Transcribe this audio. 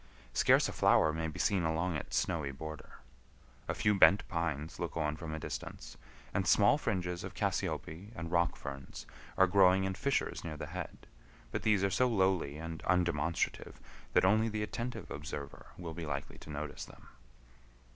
Scarce a flower may be seen along its snowy border. A few bent pines look on from a distance, and small fringes of cassiope and rock ferns are growing in fissures near the head, but these are so lowly and undemonstrative that only the attentive observer will be likely to notice them.